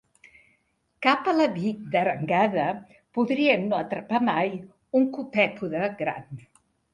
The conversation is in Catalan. Cap aleví d'arengada podria no atrapar mai un copèpode gran.